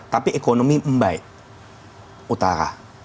tapi ekonomi membaik utara